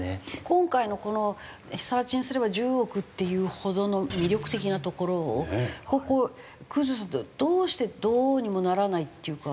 今回のこの更地にすれば１０億っていうほどの魅力的な所をここ生さんどうしてどうにもならないっていうか。